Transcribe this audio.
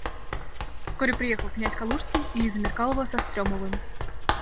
Вскоре приехал князь Калужский и Лиза Меркалова со Стремовым.